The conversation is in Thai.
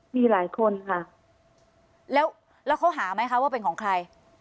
มีหลายคนค่ะแล้วเขาหาไหมคะว่าเป็นของใคร